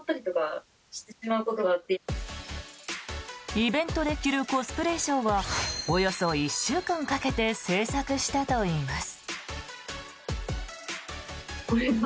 イベントで着るコスプレ衣装はおよそ１週間かけて制作したといいます。